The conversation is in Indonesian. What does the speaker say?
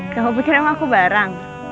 kamu pikir sama aku barang